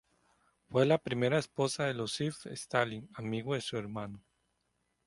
Fue la primera esposa de Iósif Stalin, amigo de su hermano.